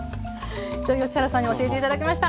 土井善晴さんに教えて頂きました。